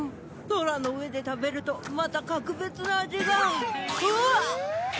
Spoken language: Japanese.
空の上で食べるとまた格別な味がうわっ！